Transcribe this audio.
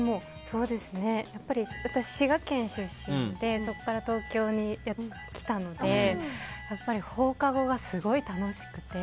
私、滋賀県出身でそこから東京に来たのでやっぱり放課後がすごい楽しくて。